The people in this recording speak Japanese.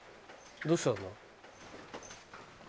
どうしたんだ？